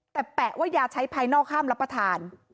แต่แปะว่ายาใช้ภายนอกห้ามรับประทาน